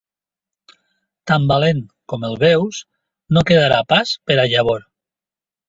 Tan valent com el veus, no quedarà pas per a llavor.